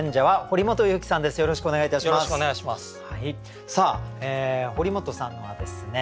堀本さんはですね